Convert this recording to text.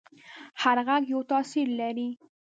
هر غږ یو تاثیر لري.